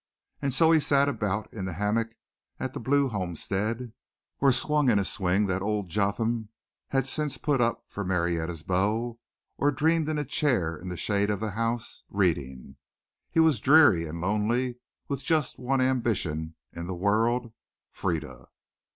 And so he sat about in the hammock at the Blue homestead, or swung in a swing that old Jotham had since put up for Marietta's beaux, or dreamed in a chair in the shade of the house, reading. He was dreary and lonely with just one ambition in the world Frieda.